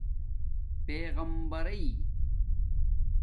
پیغمبرئئ